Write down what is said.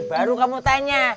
baru kamu tanya